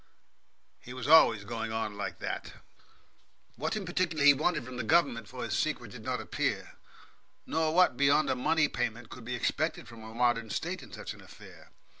He was always going on like that. What in particular he wanted from the Government for his secret did not appear, nor what beyond a money payment could be expected from a modern state in such an affair.